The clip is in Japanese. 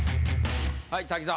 はい滝沢。